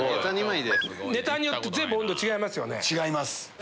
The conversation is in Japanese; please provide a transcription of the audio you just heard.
ネタによって全部温度違いますよね。